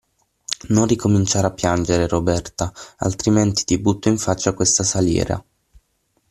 Non ricominciare a piangere, Roberta, altrimenti ti butto in faccia questa saliera.